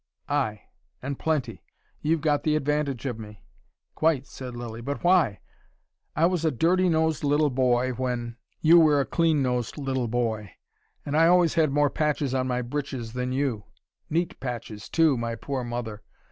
"Ay. And plenty. You've got the advantage of me." "Quite," said Lilly. "But why? I was a dirty nosed little boy when you were a clean nosed little boy. And I always had more patches on my breeches than you: neat patches, too, my poor mother!